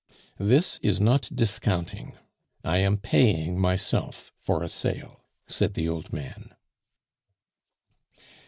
"This is not discounting; I am paying myself for a sale," said the old man.